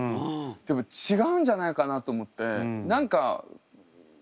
でも違うんじゃないかなと思って。